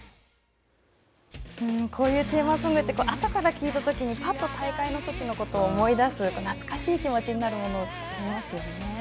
こういうテーマソングってあとから聴いた時にぱっと大会の時のことを思い出して懐かしい気持ちになるものですよね。